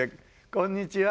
こんにちは。